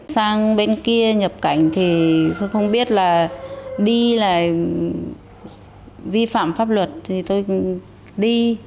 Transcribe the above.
sang bên kia nhập cảnh thì tôi không biết là đi là vi phạm pháp luật thì tôi đi